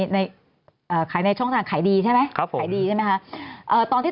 ในขายในช่องทางขายดีใช่ไหมครับขายดีใช่ไหมคะตอนที่